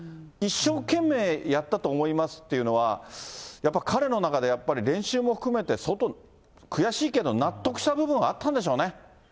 一生懸命やったと思いますっていうのは、やっぱ彼の中で、やっぱり練習も含めて、相当悔しいけど、納得した部分はあったんでしょうね。